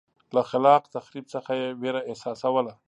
له خلاق تخریب څخه یې وېره احساسوله.